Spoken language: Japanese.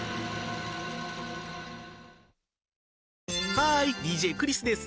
ハーイＤＪクリスです。